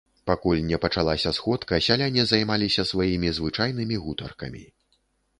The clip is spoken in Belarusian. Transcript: Пакуль не пачалася сходка, сяляне займаліся сваімі звычайнымі гутаркамі.